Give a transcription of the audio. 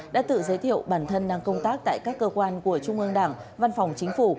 đã tự giới thiệu bản thân đang công tác tại các cơ quan của trung ương đảng văn phòng chính phủ